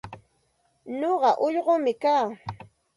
Nuqa ullqum kaa.